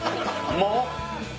もう？